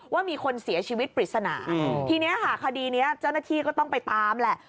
ว่ามีคนเสียชีวิตปริศนาทีนี้ค่ะคดีนี้เจ้าหน้าที่ก็ต้องไปตามแหละ